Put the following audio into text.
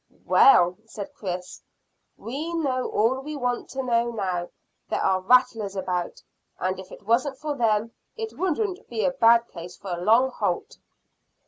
"Well," said Chris, "we know all we want to know now. There are rattlers about, and if it wasn't for them it wouldn't be a bad place for a long halt."